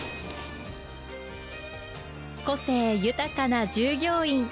個性豊かな従業員。